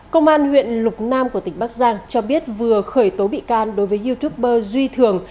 công an huyện lục nam của tỉnh bắc giang cho biết vừa khởi tố bị can đối với youtuber duy thường